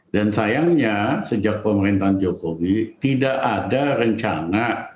dan sayangnya sejak pemerintahan jokowi tidak ada rencana